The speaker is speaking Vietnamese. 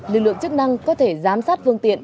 lực lượng chức năng có thể giám sát phương tiện